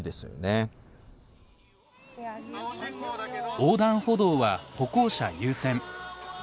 横断歩道は歩行者優先。